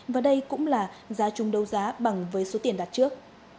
và đây cũng là giá chung đấu giá bằng với số tiền đặt trước